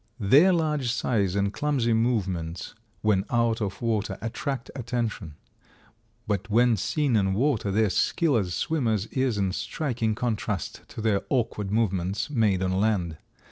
Their large size and clumsy movements, when out of water, attract attention. But when seen in water their skill as swimmers is in striking contrast to their awkward movements made on land.